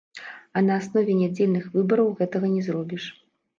А на аснове нядзельных выбараў гэтага не зробіш.